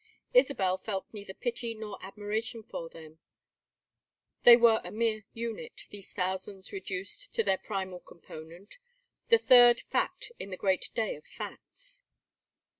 Isabel felt neither pity nor admiration for them; they were a mere unit, these thousands reduced to their primal component, the third fact in the great day of facts.